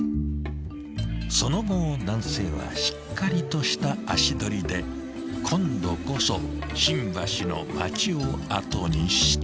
［その後男性はしっかりとした足取りで今度こそ新橋の街を後にした］